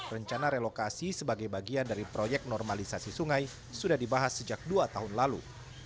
rencana relokasi sebagai bagian dari proyek normalisasi sungai sudah dibahas sejak dua tahun lalu